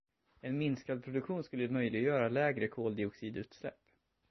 En minskad produktion skulle möjliggöra lägre koldioxidutsläpp.